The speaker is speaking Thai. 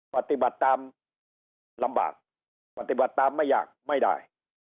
ปฏิบัติตามลำบากปฏิบัติตามไม่ยากไม่ได้